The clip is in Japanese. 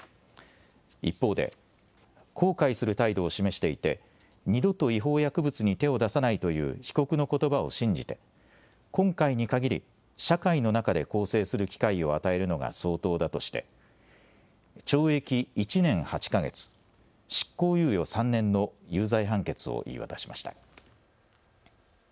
一方で後悔する態度を示していて二度と違法薬物に手を出さないという被告のことばを信じて今回に限り社会の中で更生する機会を与えるのが相当だとして懲役１年８か月、執行猶予３年の有罪判決を言い渡しました。